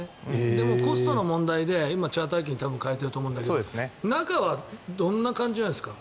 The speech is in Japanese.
でも、コストの問題で今、チャーター機に変えてると思うんだけど中はどんな感じなんですか？